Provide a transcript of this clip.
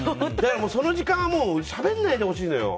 その時間はもうしゃべらないでほしいのよ。